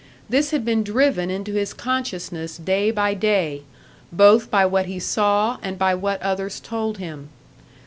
This had been driven into his consciousness day by day, both by what he saw and by what others told him.